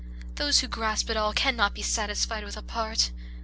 those who grasp at all cannot be satisfied with a part.